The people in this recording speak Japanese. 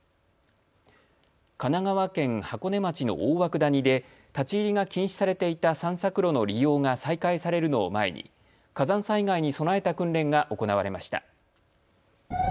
神奈川県箱根町の大涌谷で立ち入りが禁止されていた散策路の利用が再開されるのを前に火山災害に備えた訓練が行われました。